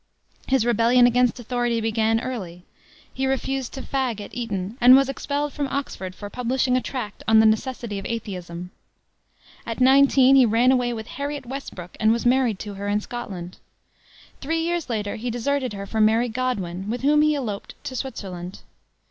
His rebellion against authority began early. He refused to fag at Eton, and was expelled from Oxford for publishing a tract on the Necessity of Atheism. At nineteen, he ran away with Harriet Westbrook, and was married to her in Scotland. Three years later he deserted her for Mary Godwin, with whom he eloped to Switzerland.